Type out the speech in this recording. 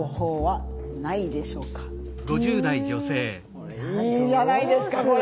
これいいじゃないですかこれ。